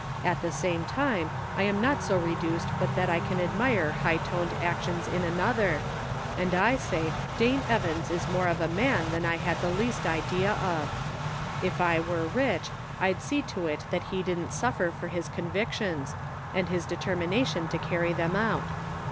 At the same time I am not so reduced but that I can admire high toned actions in another, and I say Dane Evans is more of a man than I had the least idea of. If I were rich I'd see to it that he didn't suffer for his convictions, and his determination to carry them out.